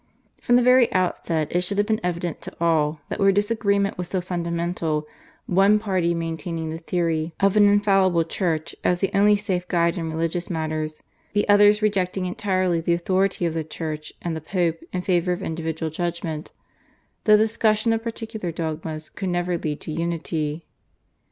From the very outset it should have been evident to all that, where disagreement was so fundamental, one party maintaining the theory of an infallible Church as the only safe guide in religious matters, the other rejecting entirely the authority of the Church and the Pope in favour of individual judgment, the discussion of particular dogmas could never lead to unity.